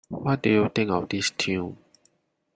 What do you think of this Tune?